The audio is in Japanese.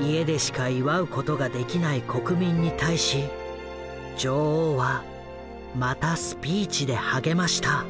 家でしか祝うことができない国民に対し女王はまたスピーチで励ました。